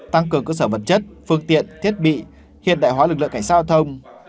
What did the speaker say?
tăng cường cơ sở vật chất phương tiện thiết bị hiện đại hóa lực lượng cảnh sát giao thông